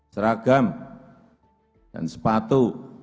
seragam dan sepatu